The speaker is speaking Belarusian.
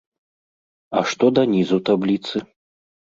А што да нізу табліцы?